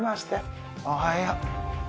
おはよう。